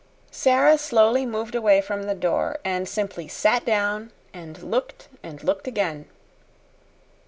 Sara slowly moved away from the door and simply sat down and looked and looked again.